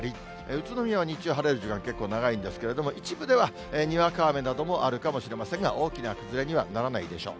宇都宮は日中晴れる時間、結構長いんですけれども、一部ではにわか雨などもあるかもしれませんが、大きな崩れにはならないでしょう。